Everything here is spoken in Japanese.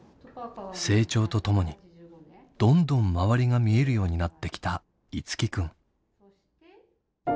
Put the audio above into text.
成長とともにドンドン周りが見えるようになってきた樹君。